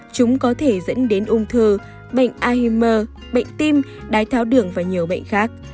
chúng có thể dẫn đến ung thư bệnh ahimer bệnh tim đái tháo đường và nhiều bệnh khác